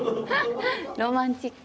ロマンチック。